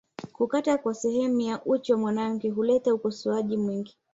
Kukata kwa sehemu ya uchi wa mwanamke huleta ukosoaji mwingi